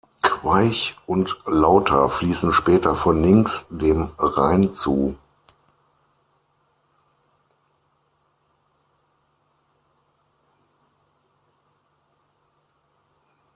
Queich und Lauter fließen später von links dem Rhein zu.